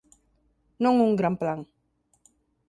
Non un gran plan.